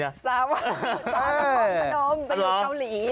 สาวนครพนมเป็นผู้เกาหลี